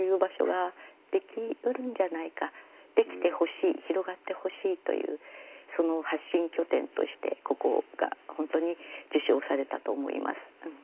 できてほしい広がってほしいというその発信拠点としてここが本当に受賞されたと思います。